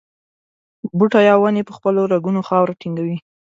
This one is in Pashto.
بوټي او ونې په خپلو رګونو خاوره ټینګوي.